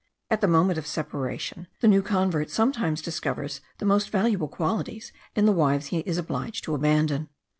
At the moment of separation the new convert sometimes discovers the most valuable qualities in the wives he is obliged to abandon.